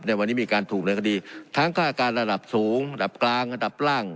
ในวันนี้มีการถูกเนินคดีทั้งค่าการระดับสูงระดับกลางระดับล่าง